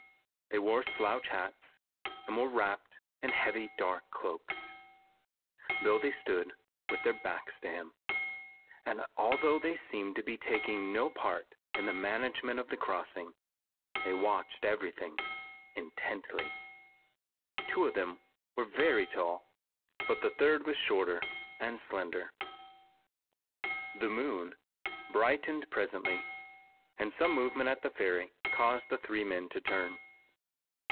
They wore slouch hats and were wrapped in heavy, dark cloaks. They stood with their backs to him, and although they seemed to be taking no part in the management of the crossing, they watched everything intently. Two of them were very tall, but the third was shorter and slender. The moon brightened presently, and some movement at the ferry caused the three men to turn.